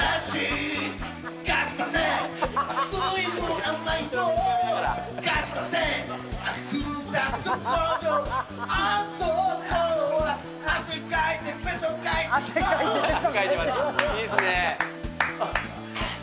いいっすね。